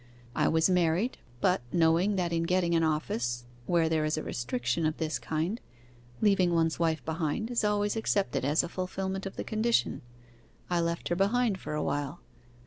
I was married; but, knowing that in getting an office where there is a restriction of this kind, leaving one's wife behind is always accepted as a fulfilment of the condition, I left her behind for awhile.